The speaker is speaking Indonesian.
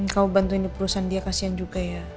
kamu bantuin perusahaan dia kasihan juga ya